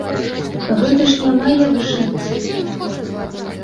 Гэта ж няма як жыць!